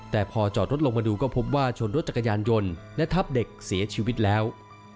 แต่พอจอดรถลงมาดูก็พบว่าชนรถจักรยานยนต์และทับเด็กเสียชีวิตแล้ว